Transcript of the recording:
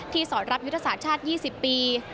สอนรับยุทธศาสตร์ชาติ๒๐ปี